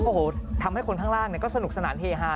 โอ้โหทำให้คนข้างล่างก็สนุกสนานเฮฮา